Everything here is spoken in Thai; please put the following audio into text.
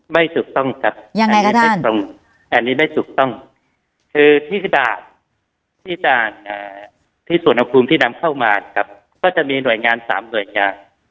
ไม่ถูกต้องครับอันนี้ไม่ถูกต้องคือที่ส่วนนักภูมิที่นำเข้ามาครับก็จะมีหน่วยงาน๓หน่วยงาน